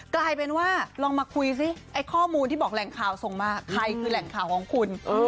กลายเป็นว่าลองมาคุยซิไอ้ข้อมูลที่บอกแหล่งข่าวส่งมาใครคือแหล่งข่าวของคุณ